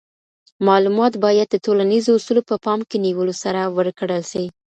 معلومات باید د ټولنیزو اصولو په پام کي نیولو سره ورکړل سي.